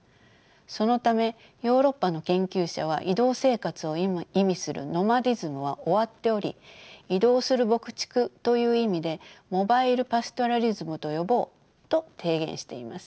そのためヨーロッパの研究者は移動生活を意味する「ノマディズム」は終わっており移動する牧畜という意味で「モバイル・パストラリズム」と呼ぼうと提言しています。